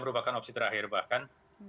merupakan opsi terakhir bahkan